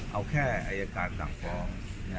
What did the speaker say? เอาแค่อายการสั่งฟ้อง